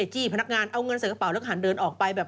จี้พนักงานเอาเงินใส่กระเป๋าแล้วก็หันเดินออกไปแบบ